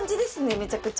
めちゃくちゃ。